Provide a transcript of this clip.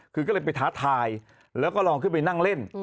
คือก็เลยไปท้าทายแล้วก็ลองขึ้นไปนั่งเล่น